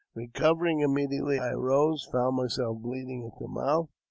Eecovering immediately, I arose, and found myself bleeding at the mouth.